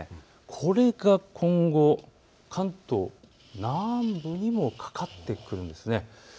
これが今後、関東南部にもかかってくるんです。